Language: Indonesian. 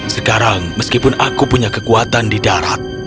sekarang meskipun aku punya kekuatan di darat